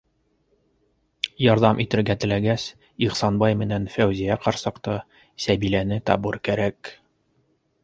Ярҙам итергә теләгәс, Ихсанбай менән Фәүзиә ҡарсыҡты, Сәбиләне табыр кәрәк.